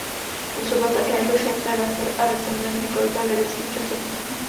Působil také jako šéfredaktor a recenzent několika vědeckých časopisů.